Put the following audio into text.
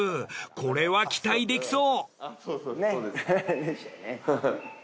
これは期待できそう。